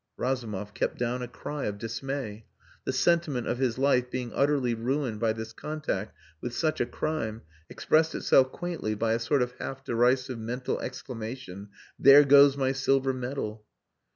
Razumov kept down a cry of dismay. The sentiment of his life being utterly ruined by this contact with such a crime expressed itself quaintly by a sort of half derisive mental exclamation, "There goes my silver medal!"